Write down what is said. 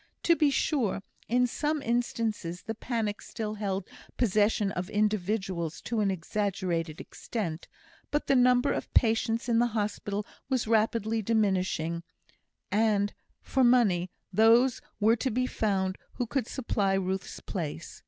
To be sure, in some instances the panic still held possession of individuals to an exaggerated extent. But the number of patients in the hospital was rapidly diminishing, and, for money, those were to be found who could supply Ruth's place.